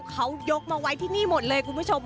เขายกมาไว้ที่นี่หมดเลยคุณผู้ชม